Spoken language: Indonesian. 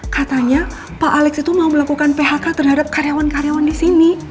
katanya pak alex itu mau melakukan phk terhadap karyawan karyawan di sini